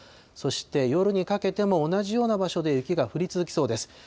そして夜にかけても同じような場所で雪が降り続きそうです。